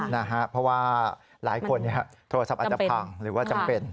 เพราะว่าหลายคนโทรศัพท์อาจจะพังหรือว่าจำเป็น